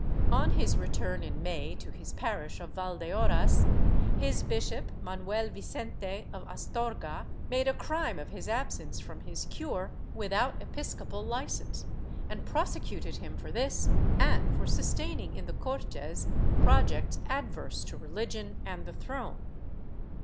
On his return in May to his parish of Valdeorras, his bishop, Manuel Mcente of Astorga, made a crime of his absence from his cure without episcopal licence and prosecuted him for this and for sustaining in the Cortes projects adverse to religion and the throne.